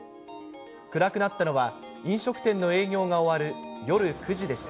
暗くなったのは飲食店の営業が終わる夜９時でした。